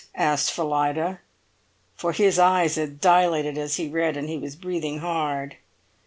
asked Phillida, for his eyes had dilated as he read, and he was breathing hard.